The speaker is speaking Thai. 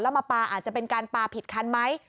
มาปลาอาจจะเป็นการปลาผิดคันไหม